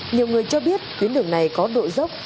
nhiều người cho biết tuyến đường này có độ dốc